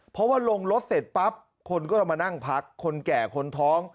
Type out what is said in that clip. เพราะว่าลงรถเสร็จปั๊บคนก็จะมานั่งพักคนแก่คนท้อง